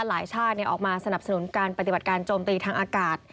หลายชาติออกมาสนับสนุนการปฏิบัติการโจมตีทางอากาศ